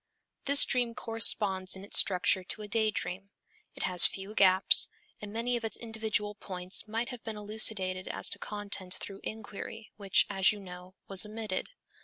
This dream corresponds in its structure to a day dream. It has few gaps, and many of its individual points might have been elucidated as to content through inquiry, which, as you know, was omitted.